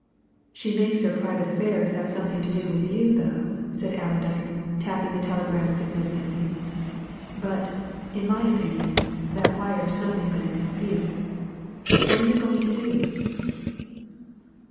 "She makes her private affairs have something to do with you though," said Allerdyke, tapping the telegram significantly. "But, in my opinion, that wire's nothing but an excuse. What're you going to do?"